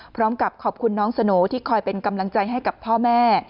พร้อมกับขอบคุณน้องสโหน่ที่คอยเป็นกำลังใจให้กับพ่อแม่